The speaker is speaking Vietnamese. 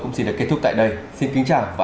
cũng xin kết thúc tại đây